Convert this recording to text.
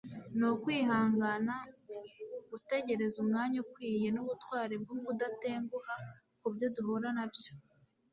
ni ukwihangana gutegereza umwanya ukwiye nubutwari bwo kudatenguha kubyo duhura nabyo